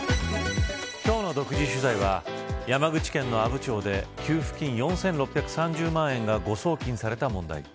今日の独自取材は山口県の阿武町で給付金４６３０万円が誤送金された問題。